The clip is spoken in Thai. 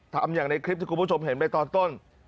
ทำอย่างในคลิปที่คุณผู้ชมเห็นไปตอนต้น